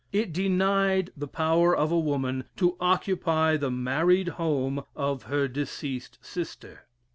It denied the power of a woman to occupy the married home of her deceased sister.